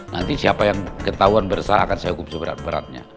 nanti siapa yang ketahuan bersalah akan saya hukum seberat beratnya